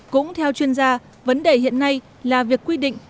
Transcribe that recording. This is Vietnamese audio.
cũng theo chuyên gia vấn đề hiện nay là việc quy định